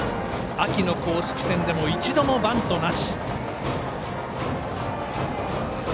秋の公式戦でも一度もバントなし。